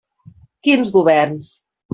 Quins governs?